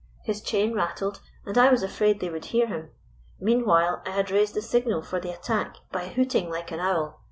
His chain rattled, and I was afraid they would hear him. Meanwhile I had raised the signal for the attack by liooting like an owl.